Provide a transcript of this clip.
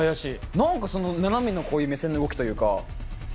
何かその斜めのこういう目線の動きというか。